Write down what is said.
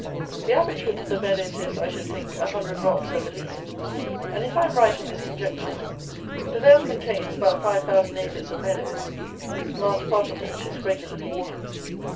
The average width of the meadows is, I should think, a hundred rods at the least; and if I am right in this conjecture, the vale contains about five thousand acres of meadows, large part of which is regularly watered.